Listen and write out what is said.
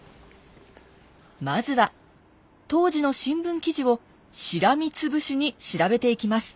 まずは当時の新聞記事をしらみつぶしに調べていきます。